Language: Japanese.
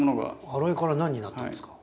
アロエから何になったんですか？